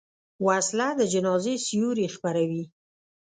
وسله د جنازې سیوري خپروي